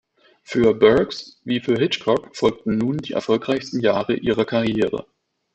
Für Burks wie für Hitchcock folgten nun die erfolgreichsten Jahre ihrer Karriere.